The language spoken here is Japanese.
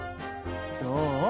どう？